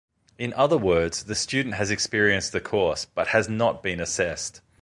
In other words, the student has experienced the course, but has not been assessed.